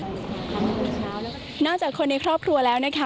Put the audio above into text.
นอกจากคนในครอบครัวแล้วนะคะ